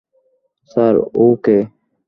Sir, ও কে?